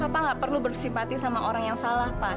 bapak nggak perlu bersimpati sama orang yang salah pak